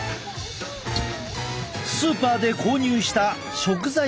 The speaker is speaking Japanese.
スーパーで購入した食材を冷凍。